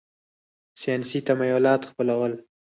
ساینسي تمایلات خپلول.